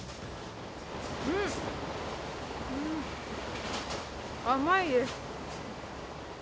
うん、甘いです。